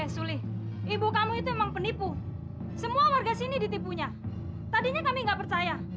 sulit ibu kamu itu emang penipu semua warga sini ditipunya tadinya kami enggak percaya